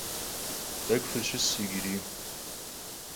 T'ek'u fışıs yicıri.